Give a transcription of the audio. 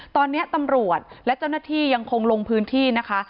ตอนนี้ตำรวจและเจ้าหน้าที่ยังคงลงพื้นที่นะคะ